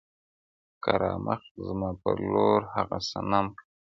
که را مخ زما پر لور هغه صنم کا.